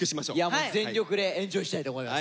もう全力でエンジョイしたいと思います。